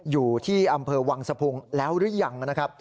อยู่ที่อำเภอวังสะพุงแล้วหรือยังนะครับ